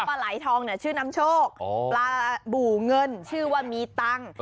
ปลาไหลทองเนี่ยชื่อน้ำโชคปลาบู่เงินชื่อว่ามีตังค์